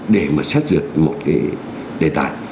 để mà xét dựt một cái đề tài